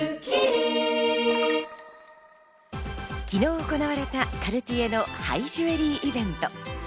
昨日、行われたカルティエのハイジュエリーイベント。